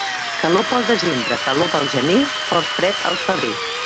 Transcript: Calor pel desembre, calor pel gener, fort fred al febrer.